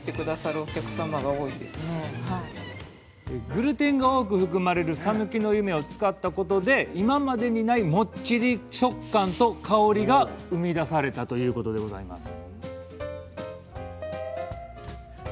グルテンが多く含まれるさぬきの夢を使ったことで今までにないもっちり食感と香りが生み出されたといいます。